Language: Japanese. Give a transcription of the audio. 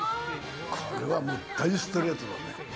これは大ストレートだね。